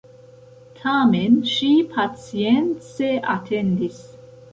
Tamen ŝi pacience atendis.